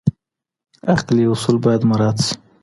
عقلي اصول باید مراعات سي.